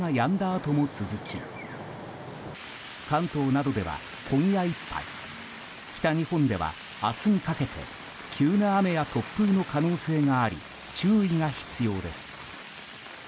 あとも続き関東などでは今夜いっぱい北日本では明日にかけて急な雨や突風の可能性があり注意が必要です。